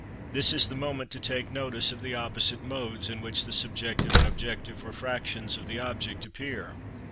This is the moment to take notice of the opposite modes in which the subjective and objective refractions of the object appear.